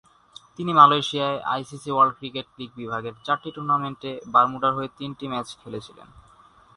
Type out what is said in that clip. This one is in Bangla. তিনি মালয়েশিয়ায় আইসিসি ওয়ার্ল্ড ক্রিকেট লিগ বিভাগের চারটি টুর্নামেন্টে বারমুডার হয়ে তিনটি ম্যাচ খেলেছিলেন।